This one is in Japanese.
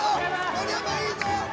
盛山いいぞ！